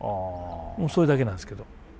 それだけなんですけど。